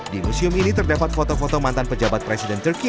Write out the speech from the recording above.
di museum ini terdapat foto foto mantan pejabat presiden turki